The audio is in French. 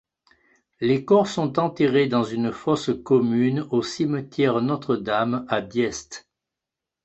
Les corps sont enterrés dans une fosse commune au cimetière Notre-Dame, à Diest.